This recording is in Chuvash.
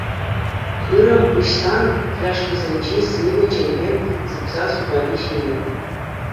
Хырӑм выҫсан фляжкӑсенчи сивӗ чейпе сыпса сухари ҫинӗ.